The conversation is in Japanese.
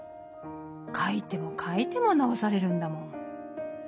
書いても書いても直されるんだもん。